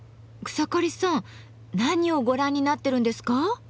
草刈さん何をご覧になってるんですか？